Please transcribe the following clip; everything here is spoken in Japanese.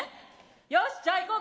よしじゃあいこうか。